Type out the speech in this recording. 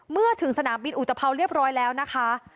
เมื่อถึงสนามบินอุตภาวเรียบร้อยแล้วนะคะ